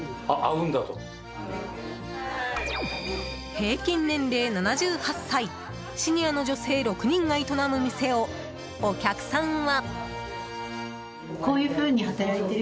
平均年齢７８歳シニアの女性６人が営む店をお客さんは。